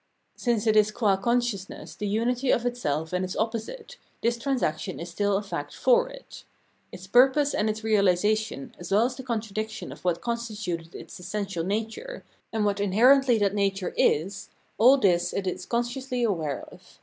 Since it is qua consciousness the xmity of itself and its opposite, this transition is still a fact for it. Its purpose and its realisation as well as the contradiction of what constituted its essential nature, and what inherently that nature is — all this it is consciously aware of.